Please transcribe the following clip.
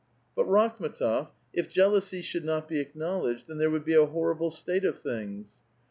" But, Rakhm^tof, if jealousy should not be acknowledged, then there would be a horrible state of things."